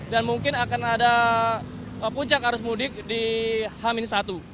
dan mungkin akan ada puncak arus mudik di hamin satu